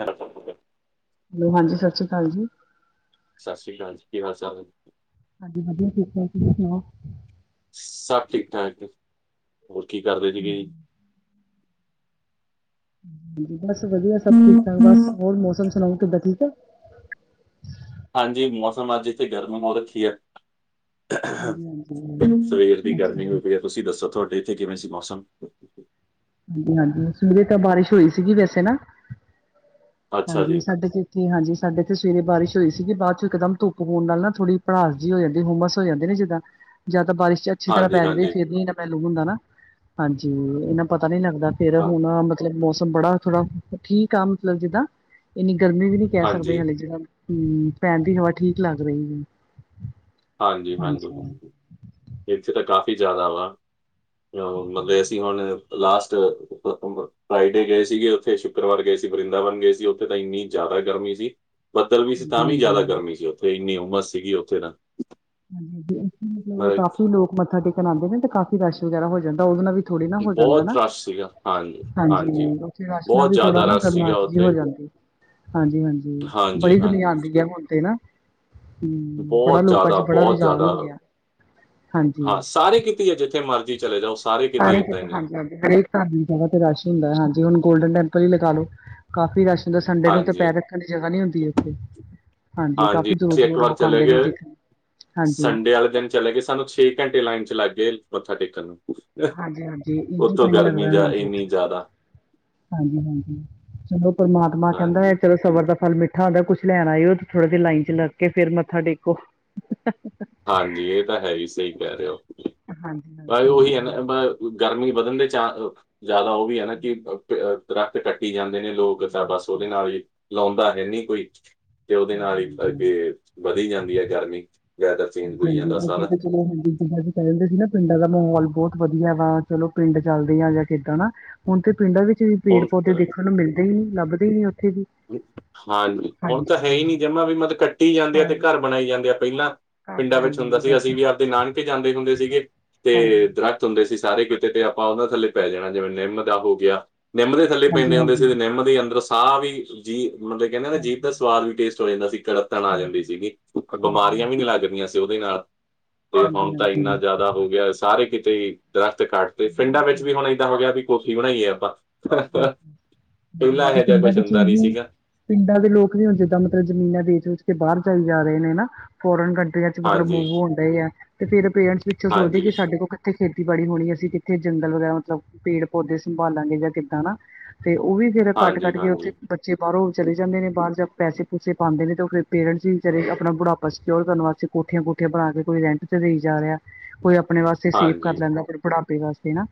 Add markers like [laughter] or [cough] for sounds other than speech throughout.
Hello. Hello ਹਾਂਜੀ ਸਤਿ ਸ਼੍ਰੀ ਅਕਾਲ ਜੀ। ਸਤਿ ਸ਼੍ਰੀ ਅਕਾਲ ਜੀ ਕੀ ਹਾਲ ਚਾਲ। ਹਾਂਜੀ ਵਧੀਆ ਠੀਕ ਹੈ ਤੁਸੀਂ ਸੁਣਾਓ ਸਭ ਠੀਕ ਠਾਕ ਹੋਰ ਕੀ ਕਰਦੇ ਹੇ ਸੀਗੇ ਜੀ ਬਸ ਵਧੀਆ ਸਭ ਠੀਕ ਠਾਕ ਬਸ ਹੋਰ ਮੌਸਮ ਸੁਣਾਓ ਤੁਹਾਡਾ ਠੀਕ ਆ। ਹਾਂਜੀ, ਮੌਸਮ ਅੱਜ ਇੱਥੇ ਗਰਮੀ ਹੋਹੁ ਰੱਖੀ ਹੈ। ਹਾਂਜੀ ਹਾਂਜੀ ਸਵੇਰ ਦੀ ਅੱਛਾ ਗਰਮੀ ਹੋ ਜੀ। ਪਈ ਹੈ, ਤੁਸੀਂ ਦੱਸੋ, ਤੁਹਾਡੇ ਇੱਥੇ ਕਿਵੇਂ ਸੀ ਮੌਸਮ? ਹਾਂਜੀ, ਹਾਂਜੀ ਸਵੇਰੇ ਤਾਂ ਬਾਰਿਸ਼ ਹੋਈ ਸੀਗੀ ਵੈਸੇ ਨਾ, ਅੱਛਾ ਹਾਂਜੀ, ਜੀ, ਸਾਡੇ ਚ ਜੀ, ਹਾਂਜੀ ਸਾਡੇ ਇੱਥੇ ਸਵੇਰੇ ਬਾਰਿਸ਼ ਹੋਈ ਸੀਗੀ, ਬਾਅਦ ਚੋਂ ਇੱਕਦਮ ਧੁੱਪ ਹੋਣ ਨਾਲ ਨਾ ਥੋੜ੍ਹੀ ਭੜਾਸ ਹੋ ਜਾਂਦੀ ਓਮਸ ਹੋ ਜਾਂਦੇ ਨੇ ਜਿੱਦਾਂ, ਜਾਂ ਤਾਂ ਬਾਰਿਸ਼ ਚ ਅੱਛੀ ਤਰ੍ਹਾਂ ਹਾਂਜੀ, ਪੈ ਜਾਂਦੀ, ਹਾਂਜੀ, ਫੇਰ ਨ ਇਹਨਾ ਪਹਿਲੂ ਹੁੰਦਾ ਨਾ, ਹਾਂਜੀ, ਇਹਨਾ ਪਤਾ ਨੀ ਲੱਗਦਾ ਫੇਰ ਹਾਂ, ਹੁਣ ਮਤਲਬ ਮੌਸਮ ਬੜਾ ਥੋੜਾ ਠੀਕ ਆ, ਮਤਲਬ ਜਿੱਦਾਂ ਇੰਨੀ ਗਰਮੀ ਵੀ ਨੀ ਕਹਿ ਸਕਦੇ ਹਾਂਜੀ, ਹਾਲੇ ਜਿਾਂ ਹਮ, ਪੈਣ ਦੀ ਹਵਾ ਠੀਕ ਲੱਗ ਰਹੀ ਹੈ। ਹਾਂਜੀ -ਹਾਂਜੀ -ਹਾਂਜੀ ਇੱਥੇ ਤਾਂ, ਕਾਫੀ ਜ਼ਿਆਦਾ ਵਾ। ਮਤਲਬ, ਅਸੀਂ ਹੁਣ ਲਾਸਟ। ਫਰਾਈਡੇ ਗਏ ਸੀਗੇ, ਉੱਥੇ ਸ਼ੁੱਕਰਵਾਰ ਗਏ ਸੀ, ਵਰਿੰਦਾਵਨ ਗਏ ਸੀ, ਉੱਥੇ ਤਾਂ ਇੰਨੀ ਜ਼ਿਆਦਾ ਗਰਮੀ ਸੀ। ਬੱਦਲ ਵੀ ਸੀ ਤਾਂ ਵੀ ਹਾਂਜੀ-ਹਾਂਜੀ, ਜ਼ਿਆਦਾ ਗਰਮੀ ਸੀ, ਉੱਥੇ ਇੰਨੀ ਉਮਸ ਸੀਗੀ, ਉੱਥੇ ਨਾ। ਹਾਂਜੀ -ਹਾਂਜੀ ਇੱਥੇ ਮਤਲਬ ਕਾਫੀ ਲੋਕ ਮੱਥਾ ਟੇਕਣ ਆਉਂਦੇ ਨੇ, ਤੇ ਕਾਫੀ ਰਸ਼ ਵਗੈਰਾ ਹੋ ਜਾਂਦਾ ਉਹਦੇ ਨਾਲ ਵੀ ਥੋੜ੍ਹੀ ਨਾ, ਹੋ ਜਾਂਦਾ ਨਾ, ਬਹੁਤ ਰਸ਼ ਸੀਗਾ ਹਾਂਜੀ, ਉੱਥੇ ਅਰਸ਼ਨਾ ਬਹੁਤ ਵੀ ਥੋੜਾ ਜ਼ਿਆਦਾ ਨਾ, ਰਸ਼ ਸੀਗਾ ਕਰਨਾਥ ਜਿਹੀ ਉੱਥੇ ਹੋ ਜਾਂਦੀ। ਹਾਂਜੀ -ਹਾਂਜੀ ਬੜੀ ਦੁਨੀਆਂ ਆਉਂਦੀ ਹੈ, ਹੁਣ ਤੇ ਨਾ, ਹੂੰ ਬੜਾ ਬਹੁਤ ਲੋਕ ਬਹੁਤ ਜ਼ਿਆਦਾ, ਹਾਂਜੀ। ਹਾਂ ਸਾਰੇ ਕੀਤੀ ਹੈ, ਜਿੱਥੇ ਮਰਜ਼ੀ ਚਲੇ ਜਾਓ। ਸਾਰੇ ਕਿਤੇ ਸਾਰੀ ਇਦਾਂ ਹਾਂਜੀ- ਹੀ ਆ ਹਾਂਜੀ ਹਰੇਕ ਧਰਮ ਦੀ ਜਗ੍ਹਾ ਤੇ ਰਸ਼ ਹੁੰਦਾ ਹੈ, ਹਾਂਜੀ ਹੁਣ ਗੋਲਡਨ ਟੈਂਪਲ ਹੀ ਲਗਾ ਲੋੋ। ਕਾਫ਼ੀ ਰਸ਼ ਹੁੰਦਾ, ਸੰਡੇ ਨੂੰ ਤਾਂ ਪੈਰ ਹਾਂਜੀ ਰੱਖਣ ਦੀ, ਜਗ੍ਹਾ ਨਹੀਂੀ ਹੁੰਦੀ ਉੱਥੇ। ਹਾਂਜੀ, ਕਾਫੀ ਦੂਰ ਅਸੀਂ ਇੱਕ ਦੂਰ ਵਾਰ ਲੋਕ ਚਲੇ ਆਉਂਦੇ ਨੇ ਗਏ ਦੇਖਣ ਹਾਂਜੀ। ਸੰਡੇ ਵਾਲੇ ਦਿਨ ਚਲੇ ਗਏ, ਸਾਨੂੰ ਛੇ ਘੰਟੇ ਲਾਈਨ ਚ ਲੱਗ ਗਏ, ਮੱਥਾ ਟੇਕਣ ਨੂੰ। ਹਾਂਜੀ -ਹਾਂਜੀ ਇੱਸੀ ਉੱਤੋਂ ਤਾਂਹੀ ਲੱਗਦਾ ਗਰਮੀ ਹੈ, ਜਾ ਇੰਨੀ ਉੱਥੇ। ਜ਼ਿਆਦਾ ਹਾਂਜੀ- ਹਾਂਜੀ ਚਲੋ, ਪਰਮਾਤਮਾ ਕਹਿੰਦਾ ਹੈ ਹਾਂਜੀ ਚਲੋ, ਸਵਰ ਦਾ ਫਲ ਮਿੱਠ। ੱਥਾਂ ਦਾ ਕੁਛ ਲੈਣ ਆਇਓ ਤੇ, ਥੋੜਾ ਜਿਹਾ ਲਾਈਨ ਚ ਲਗ ਕੇ, ਫੇਰ ਮੱਥਾ ਟੇਕੋ। ਹਾਂਜੀ, ਇਹ ਤਾਂ ਹੈ ਹੀ ਸਹੀ, ਕਹਿ ਰਹੇ ਹੋ, ਹਾਂਜੀ ਹਾਂਜੀ ਉਹੀ ਹੈ ਨਾ। ਗਰਮੀ ਵਧਣ ਦੇ ਚ ਜ਼ਿਆਦਾ ਉਹ ਵੀ ਹੈਨਾ, ਕਿ ਦਰਤ ਕੱਟੀ ਜਾਂਦੇ ਨੇ ਲੋਕ। ਚਲ ਬਸ ਉਹਦੇ ਨਾਲ ਹੀ, ਲਾਉਂਦਾ ਹੈ ਨਹੀਂ ਕੋਈ। ਤੇ ਉਹਦੇ ਨਾਲ, ਹਾਂਜੀ ਹਾਂਜੀ ਬਲਕਿ ਵਧੀ ਜਾਂਦੀ ਹੈ ਗਰਮੀ। ਵੈਦਰ ਚੇਂਜ ਹਾਂਜੀ ਹੋਈ ਜਾਂਦਾ -ਹਾਂਜੀ ਅੱਗੇ ਸਾਰਾ ਤੇ ਚਲੋ ਹਜੀ। ਕੇਂਦੇ ਸੀ ਨਾ, ਪਿੰਡਾਂ ਦਾ ਮਾਹੌਲ ਬਹੁਤ ਵਧੀਆ ਵਾ, ਚਲੋ ਪਿੰਡ ਚੱਲਦੇ ਆ, ਜਾਂ ਕਿੱਦਾਂ ਨਾ। ਹੁਣ ਤੇ ਪਿੰਡਾਂ ਵਿੱਚ ਵੀ, ਪੇੜ ਹੁਣ ਪੌਦੇ ਤਾਂ ਦੇਖਣ ਨੂੰ ਮਿਲਦੇ ਹੀ, ਨੀ ਲੱਭਦੇ ਹੀ ਨ ਉੱਥੇ ਵੀ। ਹਾਂਜੀ, ਹੁਣ ਤਾਂ ਹੈ ਹਾਂਜੀ, ਹੀ ਨਹੀਂ, ਜਮਾ ਵੀ ਮਤਲਬ ਕੱਟੀ ਜਾਂਦੇ ਆ, ਹੈ ਤੇ ਈ ਘਰ ਬਣਾਈ ਜਾਂਦੇ ਆ। ਪਹਿਲਾਂ ਘਰ ਪਿੰਡਾਂ ਬਣਾਈ ਵਿੱਚ ਹੁੰਦਾ ਜਾਂਦੇ ਸੀ। ਬਸ। ਅਸੀਂ ਵੀ ਆਪਣੇ ਨਾਨਕੇ ਜਾਂਦੇ ਹੁੰਦੇ ਸੀਗੇ, ਹਾਂਜੀ। ਤੇ ਦਰੱਖਤ ਹੁੰਦੇ ਸੀ ਸਾਰੇ ਕਿਤੇ, ਤੇ ਆਪਾਂ ਉਹਨਾਂ ਥੱਲੇ ਪੈ ਜਾਣਾ, ਜਿਵੇਂ ਨਿੰਮ ਦਾ ਹੋ ਗਿਆ। ਨਿੰਮ ਦੇ ਥੱਲੇ ਪੈਂਦੇ ਹੁੰਦੇ ਸੀ, ਹਾਂਜੀ-ਹਾਂਜੀ। ਤੇ ਨਿੰਮ ਦੇ ਅੰਦਰ ਸਾਹ ਵੀ, ਜੀਅ ਮਤਲਬ, ਕਹਿੰਦੇ ਹੋਂਦੇ, ਜੀਭ ਹਾਂਜੀ, ਦਾ ਹਾਂਜੀ, ਸਵਾਦ ਵੀ ਟੇਸਟ। [unintelligible] ਕੜੱਤਣ ਆ ਜਾਂਦੀ ਸੀਗੀ, ਪਰ ਬਿਮਾਰੀਆਂ ਵੀ ਨਹੀਂ ਹਾਂਜੀ। ਲੱਗਦੀਆਂ ਸੀ, ਉਹਦੇ ਨਾਲ। ਪ੍ਰੋਫਾਮ ਤਾਂ ਇੰਨਾ ਹਾਂਜੀ-ਹਾਂਜੀ। ਜ਼ਿਆਦਾ ਹੋ, ਗਿਆ ਸਾਰੇ ਕਿਤੇ ਦਰਖਤ ਕੱਟ ਦੇ ਪਿੰਡਾਂ ਵਿੱਚ ਬਿਲਕੁਲ। ਵੀ ਹੁਣ ਇਹੀ। ਹਫ਼ਤਾ ਹੋ ਗਿਆ, ਵੀ ਕੌਫ਼ੀ ਬਣਾਈਏ ਆਪਾਂ। ਹਾਂ, ਬਸ ਹਾਂ ਪਹਿਲਾਂ ਹਾਂਜੀ-ਹਾਂਜੀ ਇਹੋ ਜਿਹਾ ਪਿੰਡਾਂ ਕੁਝ ਵਿੱਚ ਹੁੰਦਾ ਨਹੀਂ ਸੀ। ਉਹੀ ਪਿੰਡਾਂ ਦੇ ਲੋਕ ਵੀ ਹੁਣ, ਜਿੱਦਾਂ ਮਤਲਬ, ਜ਼ਮੀਨਾਂ ਵੇਚ-ਵੇਚ ਕੇ ਬਾਹਰ ਚੱਲੇ ਜਾ ਰਹੇ ਨੇ ਨਾ, ਫ਼ੌਰਨ ਕੰਟਰੀਆਂ। ਮਤਲਬ ਹਾਂਜੀ ਮੂਵ ਹੋਣ ਡਹੇ ਆ, ਤੇ ਫਿਰ ਪੇਰੈਂਟਸ ਪਿੱਛੋਂ ਸੋਚਦੇ ਹਾਂਜੀ, ਕਿ ਸਾਡੇ ਕੋਲ ਕਿੱਥੇ ਖੇਤੀਬਾੜੀ ਹੋਣੀ, ਅਸੀਂ ਕਿੱਥੇ ਜੰਗਲ ਵਗੈਰਾ, ਮਤਲਬ ਪੇੜ-ਪੌਦੇ ਸੰਭਾਲਾਂਗੇ, ਯਾ ਕਿੱਦਾਂ ਨਾ? ਤੇ ਉਹ ਵੀ ਫਿਰ ਹਾਂਜੀ, ਕੱਟ-ਕੱਟ ਕੇ ਉੱਥੇ ਹਾਂਜੀ, ਚੇ ਬਾਹਰੋਂ ਚਲੇ ਜਾਂਦੇ ਨੇ। ਬਾਹਰ ਜਾ ਕੇ ਪੈਸੇ-ਪੂਸੇ ਪਾਉਂਦੇ ਨੇ, ਤਾਂ ਫਿਰ ਪੇਰੈਂਟਸ ਵੀ ਆਪਣਾ ਬੁਢਾਪਾ ਸਕਿਓਰ ਕਰਨ ਵਾਸਤੇ ਕੋਠੀਆਂ-ਕੋਠੀਆਂ ਪਾ ਕੇ, ਕੋਈ ਰੈਂਟ ਤੇ ਦੇਈ ਜਾ ਰਿਹਾ। ਕੋਈ ਆਪਣੇ ਵਾਸਤੇ, ਸੈਫ਼ ਕਰ ਹਾਂਜੀ, ਲੈਂਦਾ, ਫਿਰ ਬੁਢਾਪੇ ਵਾਸਤੇ ਨਾ।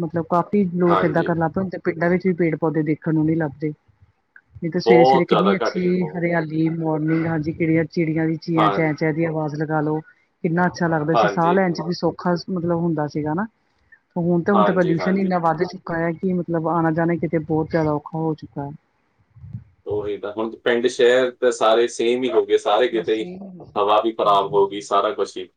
ਮਤਲਬ, ਕਾਫ਼ੀ ਲੋਕ ਇਦਾ ਹਾਂਜੀ ਕਰਨ ਲੱਗ ਪਏ, ਹੁਣ ਤਾਂ ਪਿੰਡਾਂ ਵਿੱਚ ਵੀ ਪੇੜ-ਪੌਦੇ ਦੇਖਣ ਨੂੰ ਨਈ ਲੱਭਦੇ। ਮੈਂ ਕੇਆਂ, ਸਵੇਰੇ-ਸਵੇਰੇ ਬਹੁਤ ਕੇਨੀ ਜ਼ਿਆਦਾ ਘੱਟ ਗਈ ਅੱਛੀ ਬਹੁਤ ਹਰਿਆ ਏ ਮੋਰਨਿੰਗ ਹਾਂਜੀ ਕਿਹੜੀਆਂ ਚਿੜੀਆਂ ਦੀ ਚੀਆਂ ਹਾਂ ਚੈ- ਚੈ, ਦੀ ਆਵਾਜ਼ ਲਗਾ ਲੋ। ਕਿੰਨਾ ਅੱਛਾ ਲੱਗਦਾ ਸੀ ਸਾਅ ਹਾਂਜੀ, ਲੈਣ ਚ ਹਾਂ, ਵੀ ਸੌਖਾ ਮਤਲੱਬ ਹੁੰਦਾ ਸੀਗਾ ਨਾ। ਹੁਣ ਤਾਂ ਹੁਣ ਹਾਂਜੀ, ਪਲਊਸ਼ਨ ਈ ਹਾਂਜੀ ਏਨਾ ਵੱਧ ਚੁੱਕਾ ਐ ਕੀ ਮਤਲਬ ਆਣਾ-ਜਾਣਾ ਈ ਕੀਤੇ ਬੋਤ ਜਾਦਾ ਔਖਾ ਹੋ ਚੁੱਕਾ ਐ। ਓਹੀ ਤਾਂ ਹੁਣ ਪਿੰਡ ਸੈ਼ਰ ਤਾਂ ਸਾਰੇ ਸੇਮ ਹੀ ਹੋ ਗੇ ਸਾਰੇ ਬਸ ਕੀਤੇ ਈ, ਇਹ ਹਾਂਜੀ ਹਵਾ ਵੀ ਖਰਾਬ ਹਾਂਜੀ। ਹੋ ਗੀ ਸਾਰਾ ਕੁਛ ਈ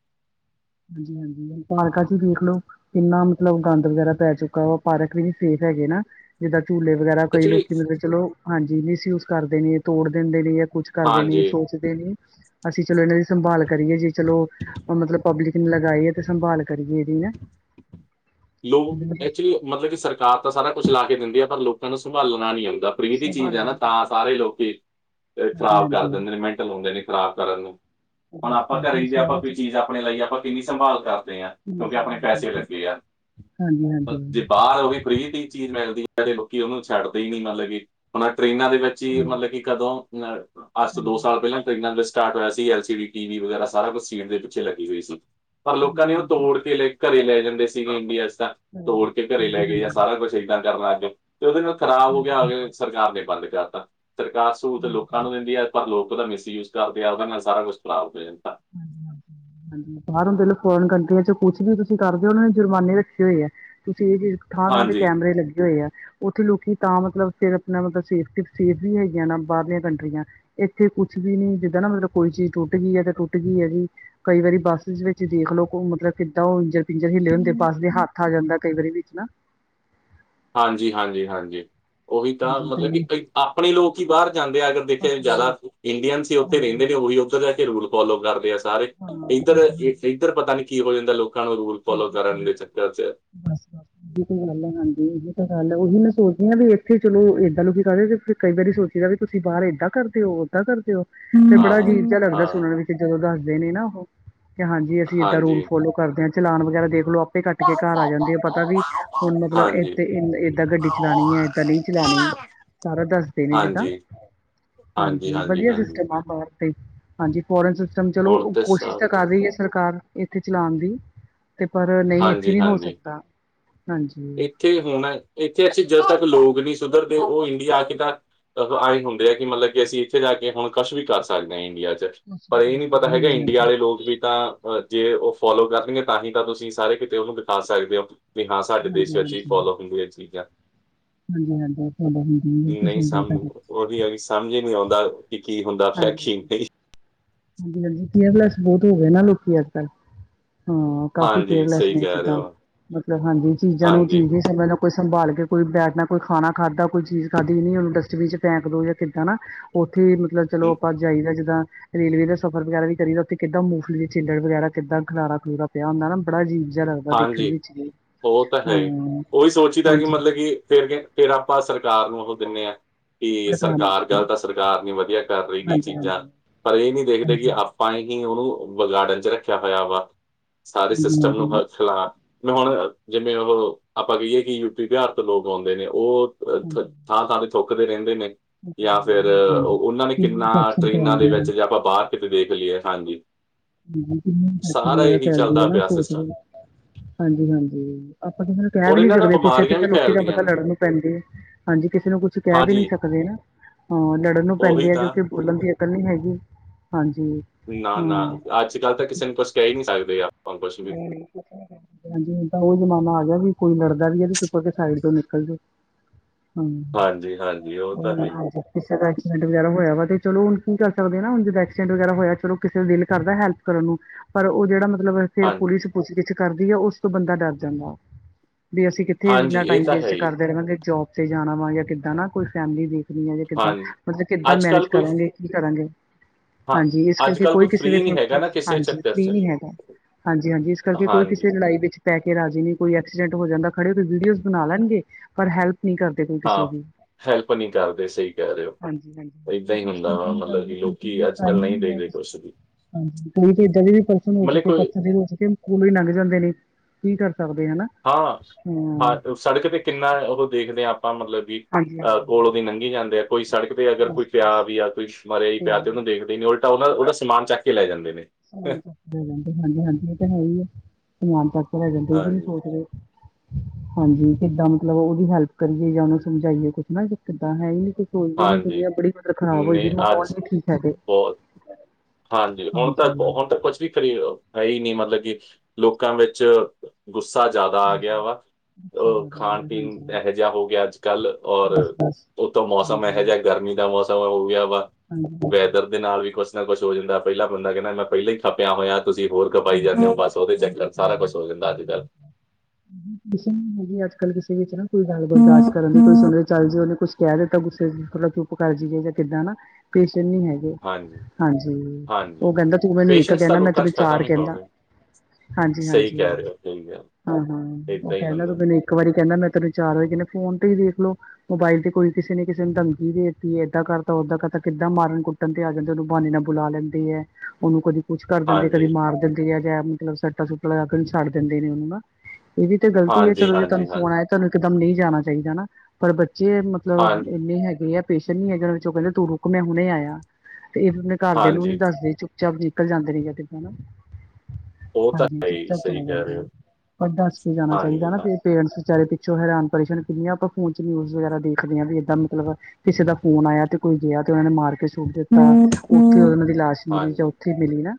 ਹਾਂਜੀ-ਹਾਂਜੀ ਹੁਣ ਪਾਰਕਾ ਚੇ ਈ ਦੇਖ ਲੌ। ਕੀਨਾ ਮਤਲਬ ਗੰਦ ਵਗੈਰਾ ਪੈ ਚੁੱਕਾ ਐ ਓ ਪਾਰਕ ਵੀ ਨਾ ਸੈਫ਼ ਹੈਗੇ ਨਾ। ਜੀਦਾਂ ਝੂਲੇ ਵਗੈਰਾ ਕਈ ਐਕਚੁਲੀ ਲੋਕੀ ਮਤਲਬ ਚਲੋ, ਹਾਂਜੀ ਮਿਸਯੂਸ ਕਰਦੇ ਨੇ ਤੋੜ ਦਿੰਦੇ ਨੇ ਜਾਂ ਕੁਛ ਕਰਦੇ ਨੇ ਹਾਂਜੀ ਸੋਚਦੇ ਨੇ, ਅਸੀਂ ਚਲੋ ਏਨਾ ਦੀ ਸੰਭਾਲ ਕਰੀਏ ਜੀ ਚਲੋ ਮਤਲਬ ਪਬਲੀਕ ਨੇ ਲਗਾਏ ਆ ਤੇ ਸੰਭਾਲ ਕਰੀਏ ਏਦੀ ਨਾ। ਲੋ ਐਕਚੁਲੀ ਮਤਲਬ ਕੇ ਸਰਕਾਰ ਤਾਂ ਸਾਰਾ ਕੁਝ ਲਾ ਕੇ ਦਿੰਦੀ ਆ ਪਰ ਲੋਕਾਂ ਨੂੰ ਸੰਭਾਲਣਾ ਨਈ ਆਉਂਦਾ। ਫਰੀ ਦੀ ਚੀਜ਼ ਸੰਭਾਲ ਐ ਨਾ ਲਾਂਗੇ ਤਾਂ ਸਾਰੇ ਲੋਕੀ ਤੇ ਹਾਂਜੀ ਖਰਾਬ ਕਰ ਹਾਂਜੀ ਦੇਂਦੇ ਨੇ ਮਿੰਟ ਲਾਓਂਦੇ ਨੇ ਖਰਾਬ ਕਰਨ ਨੂੰ। ਹੁਣ ਆਪਾਂ ਘਰੇ ਈ ਦੇ ਆਪਾਂ ਸ਼ਹਿਰਾਂ ਚ ਕੋਈ ਚੀਜ਼ ਆਪਣੇ ਲਾਈਏ ਆਪਾਂ ਕਿੰਨੀ ਸੰਭਾਲ ਕਰਦੇ ਆਂ ਕਿੰਨਾ ਕਿਉਂਕੀ ਆਪਣੇ ਸੰਭਾਲ ਪੈਸੇ ਕਰਦੇ ਲੱਗੇ ਆ। ਹਾਂਜੀ ਪਗ ਹਾਂਜੀ ਤੇ, ਹਾਂਜੀ ਬਾਹਰ ਓਵੀ ਫ੍ਰੀ ਦੀ ਚੀਜ਼ ਮਿਲਦੀ ਐ ਲੋਕੀ ਓਨੂੰ ਛੱਡਦੇ ਈ ਨਈ ਮਨ ਲੋ ਕੀ ਓ ਟ੍ਰੇਨਾਂ ਦੇ ਵੇਚ ਈ ਮਨਾ ਹਾਂਜੀ ਲੋ ਕੀ ਜਦੋ ਮੈ ਅੱਜ ਤੋਂ ਦੋ ਹਾਂਜੀ ਸਾਲ ਪੈਲਾਂ ਫ਼ਿਲਮਾਂ ਤੋਂ ਸਟਾਟ ਹੋਇਆ ਸੀ ਐਲ ਸੀ ਡੀ ਟੀਵੀ ਵਗੈਰਾ ਸਾਰਾ ਕੁਝ ਸੀਟ ਦੇ ਪੀਛੇ ਲੱਗੀ ਹੋਈ ਸੀ। ਪਰ ਲੋਕਾਂ ਨੇ ਹਾਂਜੀ ਓ ਤੋੜ ਤੇ ਲੈ ਘਰੇ ਲੈ ਜਾਂਦੇ ਸੀਗੇ ਇੰਡੀਆ ਚ ਤਾਂ, ਤੋੜ ਕੇ ਘਰੇ ਲੈ ਹਾਂਜੀ ਗਏ ਹਾਂਜੀ ਹਾਂਜੀ ਸਾਰਾ ਕੁਝ। ਏਦਾਂ ਕਰਨਾ ਲਾਗੈ, ਤੇ ਓਦੇ ਨਾਲ ਖ਼ਰਾਬ ਹੋ ਗੇਆ ਹਾਂਜੀ। ਸਰਕਾਰ ਨੇ ਬੰਦ ਕਰਾਤਾ। ਸਰਕਾਰ ਸਹੁਲਤ ਲੋਕਾਂ ਨੂੰ ਦੇਂਦੀ ਆ ਪਰ ਲੋਕ ਓਦਾਂ ਮਿਸਯੂਸ ਕਰਦੇ ਆ ਓਨਾ ਨਾਲ ਸਾਰਾ ਕੁਝ ਖਰਾਬ ਹੋ ਜਾਂਦਾ। [unintelligible] ਹਾਂਜੀ, ਬਾਰ ਹੁੰਦੇ ਲੋਕ ਫੋਰਨ ਕੰਟਰੀਆਂ ਚ ਕੁਛ ਵੀ ਤੁਸੀਂ ਕਰਦੇ ਹੋ ਓਨਾਂ ਨੇ ਜੁਰਮਾਨੇ ਰੱਖੇ ਹੋਏ ਆ। ਤੁਸੀਂ ਏ ਦੇਖ ਥਾਂ-ਥਾਂ ਤੇ ਹਾਂਜੀ ਕੈਮਰੇ ਲੱਗੇ ਹੋਏ ਆ। ਓਥੇ ਲੋਕੀ ਤਾਂ ਮਤਲਬ ਫੇਰ ਆਪਣਾ ਮਤਲਬ ਸੇਫਟੀ ਸੇਫ ਵੀ ਹੈਗੀਆਂ ਨਾ ਬਾਰਲੀਆਂ ਕੰਟਰੀਆਂ ਏਥੇ ਕੁਛ ਵੀ ਨੀ ਜੀਦਾਂ ਨਾ ਮਤਲਬ ਕੋਈ ਚੀਜ਼ ਟੁੱਟ ਗਈ ਐ ਤੇ ਟੁ ਟੀ ਗੀ ਆ ਕਈ ਵਾਰੀ ਬੱਸ ਵਿੱਚ ਦੇਖ ਲੋ ਮਤਲਬ ਕਿੱਦਾਂ ਓ ਇੰਜ ਪਿੰਜਰ ਹੇਲੇ ਹੁੰਦੇ ਬਸ ਦੇ ਹੱਥ ਆ ਜਾਂਦਾ ਕਈ ਵਾਰੀ ਵਿੱਚ ਨਾ। ਹਾਂਜੀ-ਹਾਂਜੀ-ਹਾਂਜੀ। ਓਹੀ ਤਾਂ ਹਾਂਜੀ ਕਈ ਮਤਲਬ ਵਾਰੀ ਕੀ ਆਪਣੇ ਲੋਕ ਹੀ ਬਾਰ ਜਾਂਦੇ ਆ ਅਗਰ ਦੇਖੇ ਹਾਂਜੀ-ਹਾਂਜੀ ਜਾਦਾ ਇੰਡੀਅਨ ਸੀ ਓਥੇ ਹਾਂ ਰੈਦੇ ਨੇ ਓਹੀ ਓਦਰ ਜਾ ਕੇ ਰੂਲ ਫੋਲੋ ਕਰਦੇ ਆ ਸੀ ਸਾਰੇ ਇਹ ਤਾਂ ਹਾਂਜੀ। ਈਦਰ-ਈਦਰ ਪਤਾ ਨੀ ਕੀ ਹੋ ਜਾਂਦਾ ਲੋਕਾਂ ਨੂੰ ਰੂਲ ਫੋਲੋ ਇੱਧਰ ਕੀ ਕਰਨ ਹੋ ਦੇ ਜਾਂਦਾ। ਚੱਕਰ ਚ ਬਸ ਬ ਏ ਤਾਂ ਗੱਲ ਏ ਹਾਂਜੀ ਏਹੀ ਤਾਂ ਗੱਲ ਹੈ ਓਹੀ ਮੈਂ ਸੋਚਦੀ ਆ ਵੀ ਏਥੇ ਚਲੋ ਏਦਾਂ ਲੋਕੀ ਕਰਦੇ ਕਈ ਵਾਰੀ ਸੋਚੀਦਾ ਵੀ ਤੁਸੀਂ ਬਾਰ ਏਦਾਂ ਕਰਦੇ ਓ ਓਦਾਂ ਕਰਦੇ ਓ, ਫੇਰ ਹਾਂ, ਬੜਾ ਅਜੀਬ ਜੇਆ ਲੱਗਦਾ ਹਾਂ, ਸੁਣਨ ਵੀ ਜਦੋਂ ਦੱਸਦੇ ਨੇ ਨਾ ਓਹੋ, ਕੇ ਹਾਂਜੀ ਅਸੀਂ ਏਦਾਂ ਰੂਲ ਹਾਂਜੀ। ਫੋਲੋ ਕਰਦੇ ਹਆ ਚਲਾਨ ਵਗੈਰਾ ਦੇਖਲੋ ਆ ਪੇ ਕੱਟ ਕੇ ਘਰ ਆ ਜਾਂਦੇ ਆ ਪਤਾ ਵੀ, ਹੁਣ ਮਤਲਬ ਏ ਏ ਹਾਂਜੀ। ਤੇ ਏਦਾਂ ਗੱਡੀ ਚਲਾਣੀ ਏ ਏਦਾਂ ਨਈ ਚਲਾਣੀ ਸਾਰਾ ਦੱਸਦੇ ਹਾਂਜੀ, ਨੇ ਜੀਦਾਂ, ਹਾਂਜੀ, ਹਾਂਜੀ ਵਦੀਆ ਸੇਸਟਮ ਆ ਬਾਰ ਹਾਂਜੀ ਫੋਰਨ ਸਿਸਟਮ ਚਲੋ ਹੁਣ ਕ ਤੇ ਕੋਸ਼ਿਸ਼ ਤਾਂ ਸਭ ਕਰ ਰਈ ਆ ਸਰਕਾਰ ਏਥੇ ਚਲਾਣ ਦੀ ਤੇ ਪਰ ਨਈ ਏਥੇ ਹਾਂਜੀ, ਨਈ ਹੋ ਸਕਦਾ, ਹਾਂਜੀ। ਥੇ ਹੋਣਾ, ਏਥੇ ਜਦੋਂ ਤੱਕ ਅਸੀ ਲੋਕ ਨਈ ਸੁਦਰਦੇ ਓ ਇੰਡੀਆ ਆ ਕੇ ਤਾਂ ਆਂ ਹੁੰਦੇ ਆ ਕੀ ਮਤਲ ਕੀ ਅਸੀਂ ਏਥੇ ਰੈ ਕੇ ਹੁਣ ਕੁਛ ਵੀ ਕਰ ਸਕਦੇ ਆਂ ਇੰਡੀਆ ਚ ਕੋਸ਼ਿਸ਼ ਪਰ ਕਰ ਏ ਨਈ ਪਤਾ ਸਕਦੇ ਹਾਂ। ਹੈਗਾ ਹਾਂਜੀ, ਈਂਡੀਆ ਹਾਂਜੀ, ਵਾਲੇ ਲੋਕ ਵੀ ਤਾਂ ਜੇ ਓ ਫੋਲੋ ਕਰਨਗੇ ਤਾਂ ਹੀ ਤਾਂ ਤੁਸੀਂ ਸਾਰੇ ਕੀਤੇ ਓਨੂੰ ਦਿਖਾ ਸਕਦੇ ਓ ਵੀ ਹਾਂ ਸ ਹਾਂਜੀ, ਦੇਸ਼ ਵਿੱਚ ਹੀ ਫੋਲੋ ਹੁੰਦੀ ਹੈ ਚੀਜ਼ਾਂ। ਹਾਂਜੀ-ਹਾਂਜੀ ਫੋਲੋ ਹੁੰਦੀਆਂ ਬਿਲਕੁਲ ਸਹੀ [unintelligible] ਉਹੀ ਅ ਸਮਝ ਨੀ ਆਉਂਦਾ ਕਿ ਕੀ ਹੁੰਦਾ ਪਿਆ ਕੀ ਨਾਹੀ ਨਈ। ਹਾਂਜੀ-ਹਾਂਜੀ ਕੇਅਰਲੈਸ ਬੌਤ ਹੋ ਗੇ ਨਾ ਲੋਕੀ ਅੱਜ ਕੱਲ ਹਾਂ। ਕਾਫ਼ੀ ਹਾਂਜੀ ਕੇਅਰਲੈਸ ਸਹੀ ਨੇ ਕਹਿ ਰਹੇ ਜਿੱਦਾਂ ਹੋ ਮਤਲਬ ਹਾਂਜੀ ਚੀਜ਼ਾਂ ਨੂੰ ਹਾਂਜੀ ਚੀਜ਼ ਸਮੇਂ ਕੋਈ ਸੰਭਾਲ ਕੇ ਕੋਈ ਬੈਠਣਾ ਕੋਈ ਖਾਣਾ ਖਾਧਾ, ਕੋਈ ਚੀਜ਼ ਖਾਧੀ ਨਈ ਉਹਨੂੰ ਡਸਟਬਿਨ ਚ ਫੈਂਕ ਦੋ ਯਾ ਕਿੱਦਾਂ ਨਾ। ਉੱਥੇ ਮਤਲਬ ਚਲੋ ਆਪਾਂ ਜਾਈਦਾ ਜਿੱਦਾਂ ਰੇਲਵੇ ਦਾ ਸਫਰ ਵਗੈਰਾ ਵੀ ਕਰੀਦਾ ਉੱਥੇ ਕਿਦਾ ਮੂਫਲੀ ਛਿਲੜ ਵਗੈਰਾ ਕਿਦਾ ਖਲਾਰਾ-ਖਲੂਰਾ ਪਿਆ ਹੁੰਦਾ ਨਾ ਬੜਾ ਅਜੀਬ ਜੀਆ ਲਗ ਹਾਂਜੀ ਉਹ ਤਾਂ ਹੈ ਹੀ ਉਹੀ ਸੋਚੀਦਾ ਕਿ ਹਾਂਜੀ ਮਤਲਬ ਕਿ ਫੇਰ ਕਿ ਫਿਰ ਆਪਾਂ ਸਰਕਾਰ ਨੂੰ ਉਹ ਦਿੰਨੇ ਹਾਂ। ਕਿ ਸਰਕਾਰ ਗਲਤ ਆ ਸਰਕਾਰ ਨੀ ਵਧੀਆ ਕਰ ਰਹੀਗੀ ਹਾਂਜੀ-ਹਾਂਜੀ, ਚੀਜ਼ਾਂ ਪਰ ਇਹ ਨੀ ਦੇਖਦੇ ਹਾਂਜੀ-ਹਾਂਜੀ, ਕਿ ਆ ਪਾਏ ਕਿ ਉਹਨੂੰ ਵਿਗਾੜਨ ਚ ਰੱਖਿਆ ਹੋਇਆ ਵਾ ਸਾਰੇ ਸਿਸਟਮ ਹਾਂਜੀ-ਹਾਂਜੀ, ਨੂੰ ਚਲਾ ਮ ਹੁਣ ਜਿਵੇਂ ਉਹ ਆਪਾਂ ਕਹੀਏ ਕਿ ਯੂਪੀ, ਬਿਹਾਰ ਤੋਂ ਲੋਕ ਆਉਂਦੇ ਨੇ ਉਹ ਹਾਂਜੀ, ਥਾਂ-ਥਾਂ ਤੇ ਥੁੱਕਦੇ ਰਹਿੰਦੇ ਨੇ। ਯਾ ਫੇਰ ਹਾਂਜੀ-ਹਾਂਜੀ, ਉਹਨਾਂ ਨੇ ਕਿੰਨੀ ਕਿੰਨਾ ਇਨਫੈਕਸ਼ਨ ਟਰੇਨਾਂ ਦੇ ਫੈਲਦੀ ਆ। ਵਿੱਚ ਯਾ ਆਪਾਂ ਬਾਰ ਕਿਤੇ ਦੇਖ ਲਈਏ ਹਾਂਜੀ। [unintelligible] ਸਾਰਾ ਇਹੀ ਫੈਲਦੀ ਹੈ ਚੱਲਦਾ ਨਾ ਪਿਆ ਸੋਚਦੇ ਸਿਸਟਮ ਹਾਂਜੀ-ਹਾਂਜੀ। ਆਪਾਂ ਕਿਸੇ ਨੂੰ ਕਹਿ ਔਰ ਵੀ ਨੀ ਇਹਨਾਂ ਨਾਲ ਸਕਦੇ ਕੁਛ ਇੱਥੇ ਬਿਮਾਰੀਆਂ ਵੀ ਤਾਂ ਲੋਕੀ ਤਾਂ ਫੈਲਦੀਆਂ ਪਤਾ ਨੇ ਲੜਨ ਨੂੰ ਪੈਂਦੇ ਹੈ। ਹਾਂਜੀ ਕਿਸੇ ਨੂੰ ਕੁਛ ਕਹਿ ਵੀ ਨੀ ਹਾਂਜੀ। ਸਕਦੇ ਨਾ ਅ ਲੜਨ ਨੂੰ ਉਹੀ ਪੈਂਦੇ ਆ ਤਾਂ ਕਿਉਂਕਿ ਬੋਲਣ ਦੀ ਅ ਕਲ ਨਈ ਹੈਗੀ ਹਾਂਜੀ। ਨਾ-ਨਾ ਹਾਂ, ਅੱਜ ਕੱਲ ਤਾਂ ਕਿਸੇ ਨੂੰ ਕੁਛ ਕਹਿ ਹੀ ਨੀ ਸਕਦੇ ਆ। ਨਈਂ-ਨਈਂ ਹਾਂਜੀ ਹੁਣ ਤਾਂ ਉਹ ਜਮਾਨਾ ਆ ਗਿਆ ਵੀ ਕੋਈ ਲੜਦਾ ਵੀ ਆ ਤੇ ਚੁਪ ਕੇ ਸਾਈਡ ਤੋਂ ਨਿਕਲ ਜੋ। ਹਾਂ। ਹਾਂਜੀ-ਹਾਂਜੀ ਉਹ ਤਾਂ ਹੈ ਹੀ। ਹਾਂਜੀ ਕਿਸੇ ਦਾ ਐਕਸੀਡੈਂਟ ਵਗੈਰਾ ਹੋਇਆ ਵਾ ਤੇ ਚਲੋ ਹੁਣ ਕੀ ਕਰ ਸਕਦੇ ਨਾ ਹੁਣ ਜਦੋਂ ਐਕਸੀਡੈਂਟ ਵਗੈਰਾ ਹੋਇਆ ਚਲੋ ਕਿਸੇ ਦਾ ਦਿਲ ਕਰਦਾ ਹੈਲਪ ਕਰਨ ਨੂੰ ਪਰ ਉਹ ਜਿਹੜਾ ਮਤਲਬ ਫੇਰ ਹਾਂਜੀ ਪੁਲਿਸ ਪੁੱਛਗਿੱਛ ਕਰਦੀ ਹੈ ਉਸ ਤੋਂ ਬੰਦਾ ਡਰ ਜਾਂਦਾ ਵੀ ਅਸੀ ਕਿ ਥੇ ਹਾਂਜੀ ਇਨਾ ਟਾਈਮ ਇਹ ਤਾਂ ਹੈ ਵੇਸਟ ਹੀ ਕਰਦੇ ਰਹਾਂਗੇ ਜੋਬ ਤੇ ਜਾਣਾ ਵਾ ਜਾ ਕਿੱਦਾਂ ਨਾ ਕੋਈ ਫੈਮਿਲੀ ਦੇ ਕਿੱਦਾਂ ਹਾਂਜੀ ਮਤਲਬ ਕਿੱਦਾਂ ਅੱਜ ਮੈਨੇਜ ਕੱਲ੍ਹ ਕੋਈ ਕਰਾਂਗੇ ਕੀ ਕਰਾਂਗੇ। ਹਾਂ ਹਾਂਜੀ ਇਸ ਅੱਜ ਕਰਕੇ ਕੱਲ੍ਹ ਕੋਈ ਕਿਸੇ ਦੇ ਫ੍ਰੀ ਨਹੀਂ ਹੈਗਾ ਨਾ ਕਿਸੇ ਹਾਂਜੀ ਚੱਕਰ ਫ੍ਰੀ 'ਚ ਨੀ ਹੈਗਾ। ਹਾਂਜੀ-ਹਾਂਜੀ ਇਸ ਕਰਕੇ ਕੋਈ ਕਿਸੇ ਹਾਂਜੀ ਲੜਾਈ ਵਿੱਚ ਪੈ ਕੇ ਰਾਜੀ ਨੀ ਕੋਈ ਐਕਸੀਡੈਂਟ ਹੋ ਜਾਂਦਾ ਖੜੇ ਕੋਈ ਵੀਡੀਓਜ਼ ਬਣਾ ਲੈਗੇ ਪਰ ਹੈਲਪ ਨੀ ਕਰ ਦੇ ਹਾਂ ਕਿਸੇ ਦੀ। ਹੈਲਪ ਨੀ ਕਰਦੇ ਸਹੀ ਕਹਿ ਰਹੇ ਹੋ ਹਾਂਜੀ, ਹਾਂਜੀ। ਏਦਾਂ ਹੀ ਸਿਰਫ ਇਸ ਹੁੰਦਾ ਕਰਕੇ ਵਾ ਨਹੀਂ ਮਤਲਬ ਕਰਦੇ ਕਿ ਲੋਕੀ ਕਿਉਂਕਿ ਅੱਜ ਟਾਈਮ ਕੱਲ ਨਈ ਨਹੀਂ ਹੈ ਦੇਖਦੇ ਕਿਸੇ ਕੁਛ ਕੋਲ। ਵੀ। ਹਾਂਜੀ ਕੋਈ ਤੇ ਇੱਦਾਂ ਦੇ ਵੀ ਪਸਸ਼ਨ ਹੋ ਮਤਲਬ ਚੁੱਕੇ ਕੋਈ ਪੱਥਰ ਹੋ ਚੁੱਕੇ ਕੋਲੋ ਹੀ ਲੰਘ ਜਾਂਦੇ ਨੇ ਕੀ ਕਰ ਸਕਦੇ ਹਾਂ ਹਨਾ। ਹਾਂ, ਹੂੰ, ਹਾਂ ਸੜਕ ਤੇ ਕਿੰਨਾ ਉਹ ਦੇਖਦੇ ਹਾਂ ਆਪਾਂ ਮਤਲਬ ਵੀ ਹਾਂਜੀ, ਅਹ ਹਾਂਜੀ। ਕੋਲੋਂ ਦੀ ਲੰਘੀ ਜਾਂਦੇ ਆ ਕੋਈ ਸੜਕ ਤੇ ਅਗਰ ਕੋਈ ਪਿਆ ਬਸ-ਬਸ ਆ ਵੀ ਆ ਕੋਈ ਮਰਿਆ ਈ ਪਿਆ ਤੇ ਉਹਨੂੰ ਦੇਖਦੇ ਉਲਟਾ ਉਹ ਉਹਦਾ ਸਮਾਨ ਚੱਕ ਕੇ ਲੈ ਜਾਂਦੇ ਨੇ। ਸਮਾਨ ਚੱਕ ਕੇ ਲੈ ਜਾਂਦੇ ਹਾਂਜੀ-ਹਾਂਜੀ ਇਹ ਤੇ ਹੈ ਹੀ ਹੈ ਸਮਾਨ ਚੱਕ ਕੇ ਲੈ ਜਾਂਦੇ ਇਹ ਵੀ ਨਈ ਹਾਂਜੀ, ਸੋਚਦੇ ਹਾਂਜੀ ਕਿੱਦਾਂ ਮਤਲਬ ਉਹਦੀ ਹੈਲਪ ਕਰੀਏ ਯਾ ਉਹਨੂੰ ਸਮਝਾਈਏ ਕੁਛ ਨਾ ਕਿੱਦਾਂ ਹੈ ਹੀ ਨੀ ਕੁ ਸੋਚਦੇ ਨੀ ਹਾਂਜੀ ਦੁਨੀਆਂ ਬੜੀ ਮਤਲਬ ਖ਼ਰਾਬ ਹੋਈ ਪਈ ਨੇ ਮਾਹੌਲ ਅੱਜ ਨੀ ਠੀਕ ਹੈਗੇ। ਬਹੁਤ ਹਾਂਜੀ ਹੁਣ ਤਾਂ ਹੁਣ ਤਾਂ ਕੁਛ ਵੀ ਖਰੀ ਹੈ ਹੀ ਨੀ ਮਤਲਬ ਕਿ ਲੋਕਾਂ ਵਿੱਚ ਗੁੱਸਾ ਜਾਦਾ ਆ ਹਾਂਜੀ ਗਿਆ ਵਾ। ਗੁੱਸਾ ਔ ਜ਼ਿਆਦਾ ਹੋ ਖਾਣ ਗਿਆ ਪੀਣ ਹਾਂਜੀ ਏਹ ਜਾ ਹੋ ਗਿਆ ਅੱਜ-ਕੱਲ ਔਰ- ਬਸ-ਬਸ ਉਤੋਂ ਮੌਸਮ ਏਹੋ ਹਾਂਜੀ। ਜਾ ਗਰਮੀ ਦਾ ਮੌਸਮ ਹੋ ਗਿਆ ਵਾ-ਗ ਹਾਂਜੀ, ਹਾਂਜੀ, ਘਰ ਦੇ ਨਾਲ ਵੀ ਕੁਛ ਨਾ ਕੁਛ ਹੋ ਜਾਂਦਾ। ਪਹਿਲਾਂ ਬੰਦਾ ਕੈਂਦਾ ਮੈਂ ਪੈਲਾਂ ਹੀ ਖੱਪਿਆ ਹੋਇਆ ਤੁਸੀਂ ਹੋਰ ਖਪਾਈ ਜਾਂਦੇ ਹੋ, ਬਸ ਔਦੇ ਹਾਂਜੀ। ਹੋਰ ਚੱਕਰਾ ਚ, ਕੰਪਾਈਨ ਸਾਰਾ ਕੁਛ ਹਾਂਜੀ ਹੋ ਜਾਂਦਾ ਅੱਜ-ਕੱਲ੍ਹ ਹਾਂਜੀ ਕਿਸੇ ਅੱਜ- ਕੱਲ ਕਿਸੇ ਵਿੱਚ ਨਾ ਕੋਈ ਗੱਲ ਬਰਦਾਸ਼ਤ ਕਰਨ ਦੀ ਕੋਈ ਸੁਨੇ ਚਾਏ ਜੇ ਉਹਨੇ ਕੁਛ [unintelligible] ਕਹਿ ਦਿੱਤਾ ਗੁੱਸੇ, ਥੋੜਾ ਚੁੱਪ ਕਰ ਜਾਈਏ ਜਾਂ ਕਿੱਦਾਂ ਨਾ, ਪੇਸ਼ਨ ਨਹੀਂ ਹੈ- ਹਾਂਜੀ ਹਾਂਜੀ ਔ ਹਾਂਜੀ ਕੈੰਦਾ ਤੂੰ ਮੈਨੂੰ ਇੱਕ ਪੇਸ਼ੈਂਸ ਤਾਂ ਕੈਂਣਾ ਮੈਂ ਲੋਕਾਂ 'ਚ ਚਾਰ ਖਤਮ ਹੀ ਹੋ ਕੈਂਦਾ ਗਏ ਸਹੀ ਕਹਿ ਹਾਂਜੀ-ਹਾਂਜੀ, ਰਹੇ ਹੋ ਸਹੀ ਗੱਲ ਅਹ ਹਾਂ ਔ ਏਦਾਂ ਹੀ ਕੈਂਦਾ ਤੂ ਹੁੰਦਾ ਇੱਕ ਵਾਰੀ ਕੈਂਦਾ, ਮੈਂ ਤੈਨੂੰ ਚਾਰ ਵਜੇ ਨੇ ਫੋਨ ਤੇ ਈ ਦੇਖਲੋ ਮੋਬਾਇਲ ਤੇ ਕੋਈ ਕਿਸੇ ਨੇ ਕਿਸੇ ਨੂੰ ਧਮਕੀ ਦੇ ਦਿੱਤੀ, ਏਦਾਂ ਕਰਤਾ, ਔਦਾਂ ਕਰਤਾ ਕਿੱਦਾਂ ਮਾਰਨ ਕੁ ਬੰਦੇ ਆ ਜਾਂਦੇ ਨੇ, ਬਾਨੇ ਨਾਲ ਬੁਲਾ ਲੈਂਦੀ ਐ, ਔਨੂੰ ਕਦੀ ਕੁਛ ਕਰ ਦਿੰਦੇ, ਹਾਂਜੀ ਕਦੇ ਮਾਰ ਦਿੰਦੇ, ਜਾਂ ਮਤਲਬ ਸੱਟਾ ਸੂਟਾ ਲਾ ਕੇ ਔਨੂ ਛੱਡ ਦਿੰਦੇ ਨੇ ਨਾ ਇਹ ਵੀ ਤੇ ਗਲਤੀ ਏ। ਹਾਂਜੀ ਚਲੋ ਜੇ ਤਾਨੂੰ ਹਾਂਜੀ ਫੋਨ ਹਾਂਜੀ ਆਇਆ ਤਾਨੂੰ ਇਕਦਮ ਨਹੀਂ ਜਾਣਾ ਚਾਹੀਦਾ ਹਨਾ। ਪਰ ਬੱਚੇ ਮਤਲਬ [unintelligible] ਹਾਂਜੀ ਇੰਨੇ ਹੈਗੇ ਆ ਪੇਸ਼ਨ ਨੀ ਹੈਗੇ ਔਨਾਂ ਚ ਕੈਂਦੇ ਤੂੰ ਰੁਕ ਮੈਂ ਹੁਣੇ ਆਇਆ ਤੇ ਇਹ ਘਾਰਦੇ ਨੂੰ ਨੀ ਹਾਂਜੀ ਦੱਸਦੀ, ਚੁਪ-ਚਾਪ ਨਿਕਲ ਜਾਂਦੇ ਨੇਤਾ ਤੇ ਹਨਾ। ਉਹ ਤਾਂ ਹਾਂਜੀ ਹੈ ਚੁਪ ਹੀ ਚਾ ਸਹੀ ਚਲੇ ਕਹਿ ਜਾਂਦੇ ਰਹੇ ਆ, ਹੋ ਪਰ ਦਸ ਕੇ ਜਾਣਾ ਹਾਂਜੀ ਚਾਈਦਾ ਨਾ ਹਾਂ- ਫੇ ਪੇਰੈਂਟਸ ਵਿਚਾਰੇ ਪਿੱਛੋਂ ਹੈਰਾਨ ਪ੍ਰੇਸ਼ਾਨ, ਕਿਨੇ ਆ ਕੁ ਫੋਨ ਚ ਨਿਊਜ਼ ਵਗੈਰਾ ਦੇਖਦੇ ਹਾਂ। ਵੀ ਇਦਾਂ ਮਤਲਬ ਕਿਸੇ ਦਾ ਫੋਨ ਆਇਆ, ਤੇ ਕੋਈ ਗਿਆ ਤੇ ਔਨਾ ਨੇ ਮਾਰ ਕੇ ਸ ਸੁਟ ਦਿੱਤਾ, ਔਥੇ ਔਨਾਂ ਦੀ ਲਾਸ਼ ਮਿਲੀ ਤੇ ਹਾਂਜੀ ਔਥੇ ਮਿਲੀ ਨਾ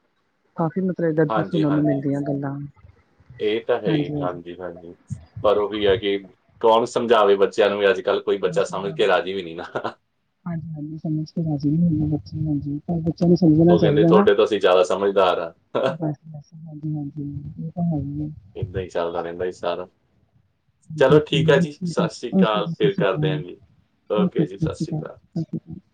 ਕਾਫ਼ੀ ਮਤਲਬ ਸੁਣਨ ਨੂੰ ਹਾਂਜੀ-ਹਾਂਜੀ, ਮਿਲਦੀਆਂ ਗੱਲਾਂ ਏ ਤਾ ਹੈ ਈ, ਹਾਂਜੀ-ਹਾਂਜੀ। ਪਰ ਔਹੀ ਹੈ ਕਿ ਕੌਣ ਸਮਝਾਵੇ ਬੱਚਿਆਂ ਨੂੰ ਵੀ ਅੱਜ -ਕੱਲ੍ਹ ਕੋਈ ਬੱਚਾ ਸਮਝ ਕੇ ਰਾਜੀ ਵੀ ਨੀ ਨਾ ਹਹ ਹਹ ਹ ਹਾਂਜੀ-ਹਾਂਜੀ ਸਮਝ ਕੇ ਰਾਜੀ ਵੀ ਨੀ ਬੱਚੇ, ਹਾਂਜੀ। ਪਰ ਬੱਚਿਆਂ ਨੂੰ ਸਮਝਣਾ ਉਹ ਕਹਿੰਦੇ ਚਈਦਾ ਨਾ ਤੁਹਾਡੇ ਤੋਂ ਅਸੀਂ ਜ਼ਿਆਦਾ ਸਮਝਦਾਰ ਆ। ਬਸ, ਬਸ, ਹਾਂਜੀ-ਹਾਂਜੀ ਏ ਤਾਂ ਹੈ ਈ ਏ ਏਦਾਂ ਈ ਚਾਲਦਾ ਰੇਂਦਾ ਏ ਸਾਰਾ। ਚਲੋ ਹਾਂਜੀ ਠੀਕ ਆ ਜੀ। ਠੀਕ ਹੈ ਸਾਸੀ ਓਕੇ ਕਾਲ ਜੀ ਸਤਿ ਫਿਰ ਸ਼੍ਰੀ ਕਰ ਦੇਆਂ ਜੀ ਓਕੇ, ਜੀ ਸਾਸੀ ਕਾਲ ੱ [unintelligible]